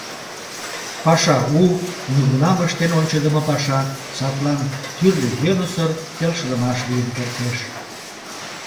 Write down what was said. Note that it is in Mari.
Паша у, нигунам ыштен ончыдымо паша; садлан тӱрлӧ йӧнысыр, келшыдымаш лийын кертеш.